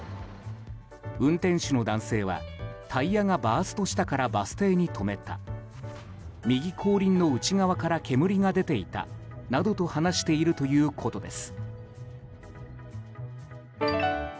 運転手の男性はタイヤがバーストしたからバス停に止めた右後輪の内側から煙が出ていたなどと話しているということです。